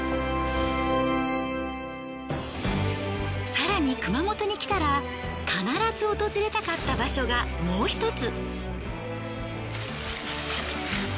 更に熊本に来たら必ず訪れたかった場所がもう１つ。